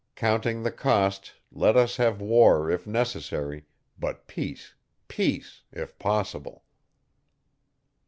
Counting the cost, let us have war, if necessary, but peace, peace if possible.